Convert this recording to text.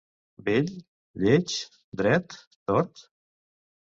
Bell? lleig? dret? tort?